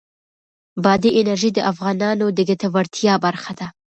بادي انرژي د افغانانو د ګټورتیا برخه ده.